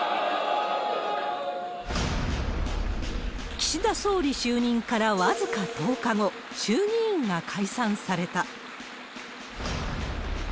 岸田総理就任から僅か１０日後、衆議院が解散された。